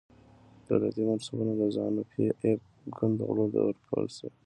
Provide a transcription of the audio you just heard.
دولتي منصبونه د زانو پي ایف ګوند غړو ته ورکړل شول.